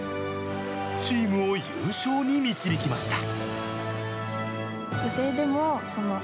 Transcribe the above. チームを優勝に導きました。